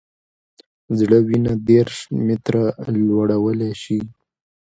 زړه وینه دېرش متره لوړولی شي.